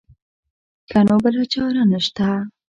ښه نو بله چاره نه شته.